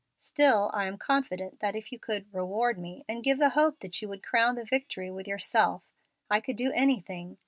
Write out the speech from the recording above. Still I am confident that if you could 'reward' me, and give the hope that you would crown the victory with yourself, I could do anything.